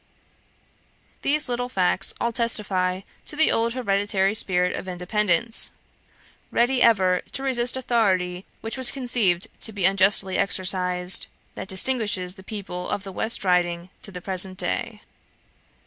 These little facts all testify to the old hereditary spirit of independence, ready ever to resist authority which was conceived to be unjustly exercised, that distinguishes the people of the West Riding to the present day.